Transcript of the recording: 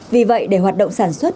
vì vậy để hoạt động sản xuất